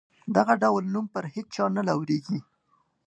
دغه ډول نوم پر هیچا نه لورېږي.